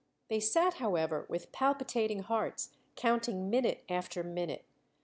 They sat, however, with palpitating hearts, counting minute after minute.